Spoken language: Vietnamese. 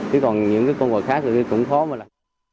thế còn những cái con vật khác thì cũng khó mà là